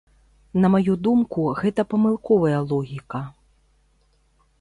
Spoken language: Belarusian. На маю думку, гэта памылковая логіка.